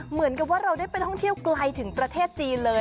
เหมือนกับว่าเราได้ไปท่องเที่ยวไกลถึงประเทศจีนเลย